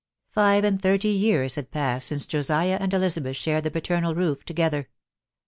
Five and thirty years had passed since Josiah and Elizabeth shared the paternal roof together.